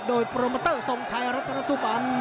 โดยโปรเมอเตอร์สมไทยรัฐนสุบัน